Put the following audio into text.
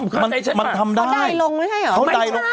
เขาใจใช่ไหมเขาได้ยลงไม่ใช่เหรอไม่ใช่